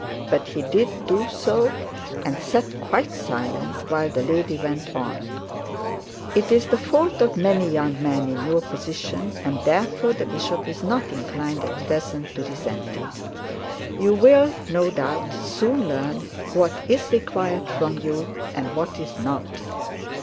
But he did do so, and sat quite silent while the lady went on. 'It is the fault of many young men in your position, and therefore the bishop is not inclined at present to resent it. You will, no doubt, soon learn what is required from you, and what is not.